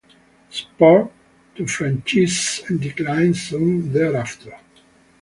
Support to franchisees declined soon there after.